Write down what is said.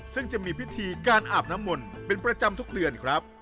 ซึ่งจะมีพิธีการอาบน้ำมนต์เป็นประจำทุกเดือนครับ